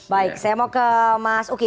baik saya mau ke